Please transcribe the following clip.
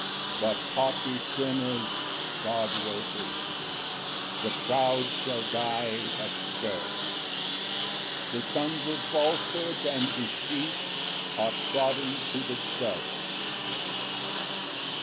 5 But haughty sinners God will hate, The proud shall die accurst; The sons of falsehood and deceit Are trodden to the dust.